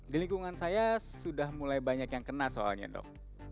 di lingkungan saya sudah mulai banyak yang kena soalnya dok